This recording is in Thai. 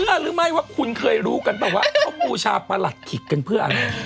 เพราะว่าคุณเคยรู้กันว่ามูชาประหลัดขิกเพื่ออะไร